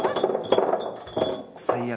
最悪。